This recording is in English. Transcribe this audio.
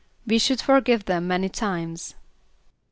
=We should forgive them many times.